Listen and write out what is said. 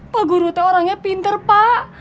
pak gurunya orangnya pinter pak